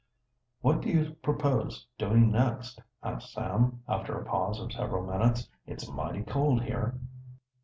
"What do you propose doing next?" asked Sam, after a pause of several minutes. "It's mighty cold here."